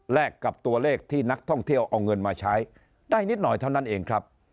กับตัวเลขที่นักท่องเที่ยวเอาเงินมาใช้ได้นิดหน่อยเท่านั้นเองครับ